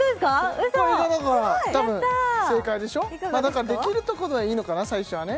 ウソこれがだからたぶん正解でしょだからできるところでいいのかな最初はね